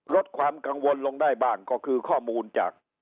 ลดความกังวลลงได้บ้างก็คือข้อมูลจาก